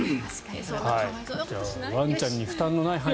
ワンちゃんに負担のない範囲で。